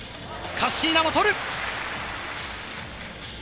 カッシーナも取る。